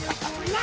何？